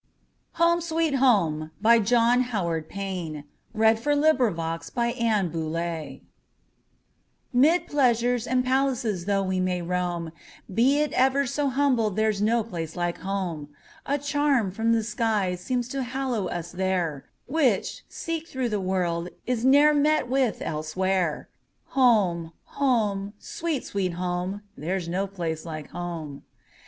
Milan" John Howard Payne 1791–1852 John Howard Payne 14 Home, Sweet Home MID PLEASURES and palaces though we may roam, Be it ever so humble there 's no place like home!A charm from the sky seems to hallow us there, Which, seek through the world, is ne'er met with elsewhere. Home! home! sweet, sweet home! There 's no place like home!